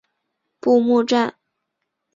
布目站。